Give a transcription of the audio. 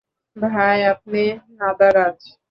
ভাই, আমি নাদারাজ।